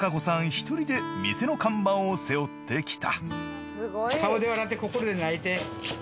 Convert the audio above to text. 一人で店の看板を背負ってきた。